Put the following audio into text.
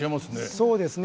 そうですね。